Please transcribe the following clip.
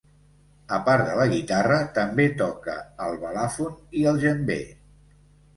A part de la guitarra, també toca el balàfon i el djembé.